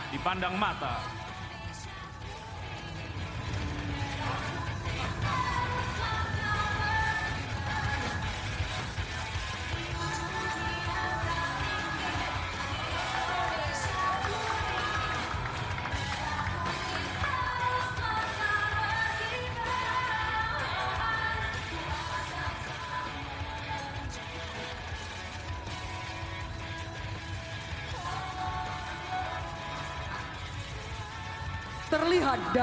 dibutuhkan kerjasama kita